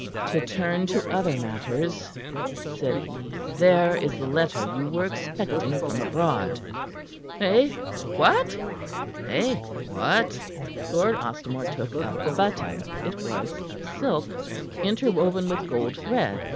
"To turn to other matters," said he; "there is the letter you were expecting from abroad." "Eh? What?" Lord Ostermore took up the button. It was of silk, interwoven with gold thread.